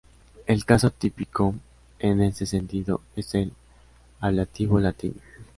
El caso típico en este sentido es el ablativo latino.